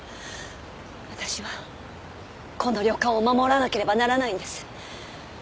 私はこの旅館を守らなければならないんです。